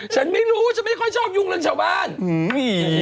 ฉันไม่รู้ฉันไม่ค่อยชอบยุงหลังชาวบ้าน